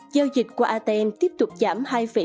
giao dịch qua atm tiếp tục giảm hai ba